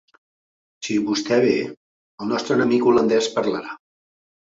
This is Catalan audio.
Si vostè ve, el nostre enemic holandès parlarà.